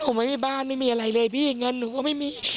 ผมไม่มีบ้านไม่มีอะไรเลยพี่เงินหนูก็ไม่มี